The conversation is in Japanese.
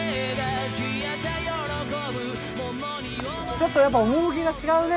ちょっとやっぱ趣が違うね